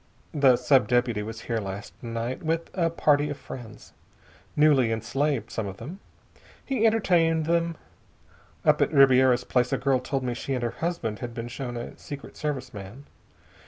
The sub deputy was here last night with a party of friends. Newly enslaved, some of them. He entertained them.... Up at Ribiera's place a girl told me she and her husband had been shown a Secret Service man.